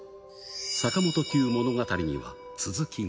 坂本九物語には続きが。